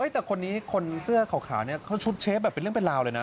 แต่คนนี้คนเสื้อขาวเนี่ยเขาชุดเชฟแบบเป็นเรื่องเป็นราวเลยนะ